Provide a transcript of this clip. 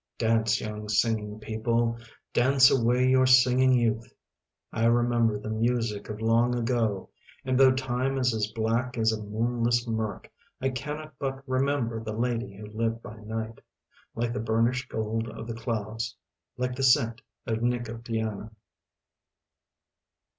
Dance, young singing people. Dance away your singing youth. I remember the music of long ago; and, though time is as black as a moonless murk, I cannot but remember the lady who lived by night, like the burnished gold of the clouds, like the scent of nicotiana.